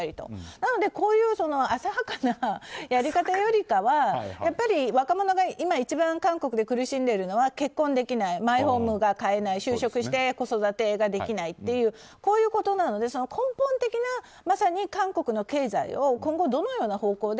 なので、こういう浅はかなやり方よりかはやっぱり若者が今一番韓国で苦しんでいるのは結婚できないマイホームが買えない、就職して子育てができないということなので根本的なまさに韓国の経済を今後どのような方法で